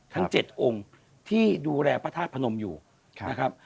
ทั้ง๗องค์ที่ดูแลพระธาตุพนมอยู่นะครับ